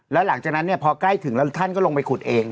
แล้วหลังจากนั้นพอใกล้ถึงแล้วท่านก็ลงไปขุดเอง